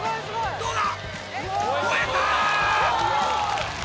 どうだ？